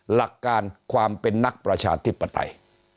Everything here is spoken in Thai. หลักการความเป็นนักประชาธิปไตย